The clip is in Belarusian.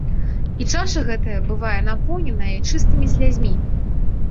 І чаша гэтая бывае напоўненая і чыстымі слязьмі.